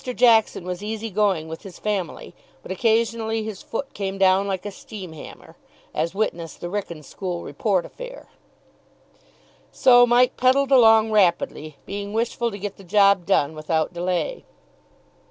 Jackson was easy going with his family, but occasionally his foot came down like a steam hammer, as witness the Wrykyn school report affair. So Mike pedalled along rapidly, being wishful to get the job done without delay.